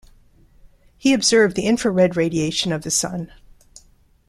He observed the infra-red radiation of the Sun.